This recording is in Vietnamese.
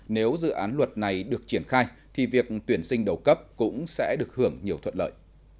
nếu dự án luật này được triển khai thì việc tuyển sinh đầu cấp cũng sẽ được hưởng nhiều thuận lợi